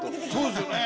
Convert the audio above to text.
そうですよね。